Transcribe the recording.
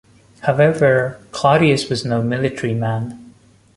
However, Claudius was no military man.